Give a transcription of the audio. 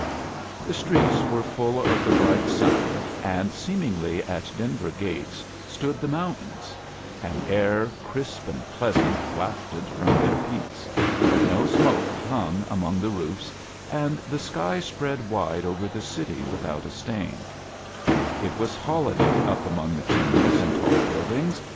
Hie streets were full of the bright sun, and seemingly at Denver's gates stood the mountains; an air crisp and pleasant wafted from their peaks; oo smoke hung among the roofs, and the sky spread wide over , u the city without a stain; it was holiday ~kI '/^ op among the chimneys and tall buildings, KV.